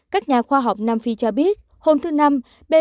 các nhà khoa học nam phi cho biết hôm thứ năm b